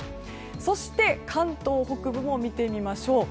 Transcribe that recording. そして、関東北部も見てみましょう。